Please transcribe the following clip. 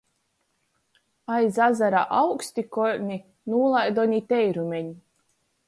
Aiz azara augsti kolni, nūlaidoni teirumeņ